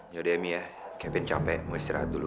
yaudah ya mia kevin capek mau istirahat dulu